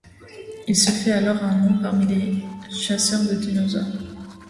Il se fait alors un nom parmi les chasseurs de dinosaures.